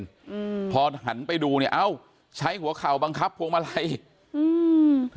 อืมพอหันไปดูเนี้ยเอ้าใช้หัวเข่าบังคับพวงมาลัยอืม